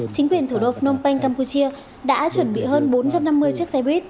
chính quyền thủ đô phnom penh campuchia đã chuẩn bị hơn bốn trăm năm mươi chiếc xe buýt